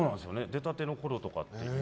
出たてのころとかって。